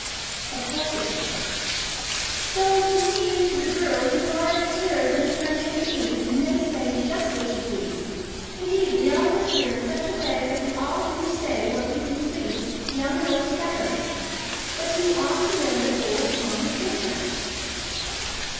"Of course it should." "And though to me and to the girls you are as dear as any friend can be, and may say just what you please Indeed, we all live here in such a way that we all do say just what we please, young and old together. But you ought to know that Lord Fawn is different."